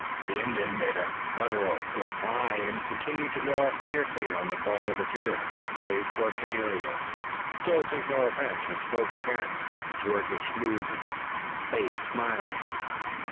The Indian made a guttural reply and continued to gnaw fiercely at the bone of the deer. De Courcelles still took no offense, and spoke again, his words smooth and his face smiling.